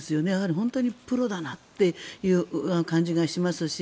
本当にプロだなという感じがしますし